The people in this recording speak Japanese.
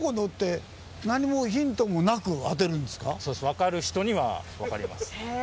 わかる人にはわかります。